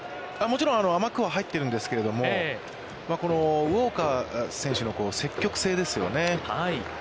もちろん甘くは入ってるんですけれども、ウォーカー選手の積極性ですよね。